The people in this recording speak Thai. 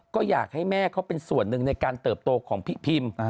ก็อยากให้แม่เขาเป็นส่วนหนึ่งในการเติบโตของพี่พิม